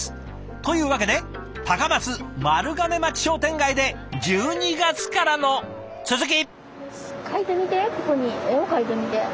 というわけで高松丸亀町商店街で１２月からの続き！